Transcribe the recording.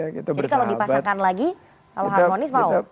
jadi kalau dipasangkan lagi kalau harmonis mau